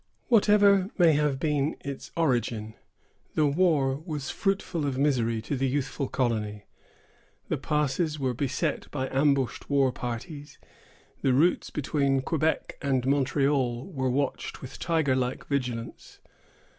Whatever may have been its origin, the war was fruitful of misery to the youthful colony. The passes were beset by ambushed war parties. The routes between Quebec and Montreal were watched with tiger like vigilance.